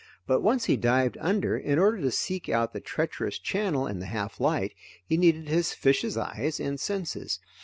But once he dived under, in order to seek out the treacherous channel in the half light, he needed his fish's eyes and senses.